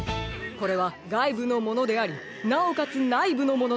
これはがいぶのものでありなおかつないぶのもののはん